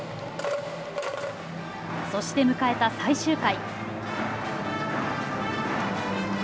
そして迎えた最終回。